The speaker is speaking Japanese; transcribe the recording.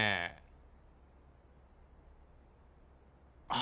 あ。